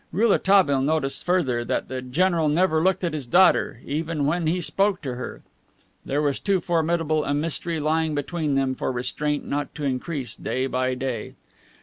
Rouletabille noticed further that the general never looked at his daughter, even when he spoke to her. There was too formidable a mystery lying between them for restraint not to increase day by day.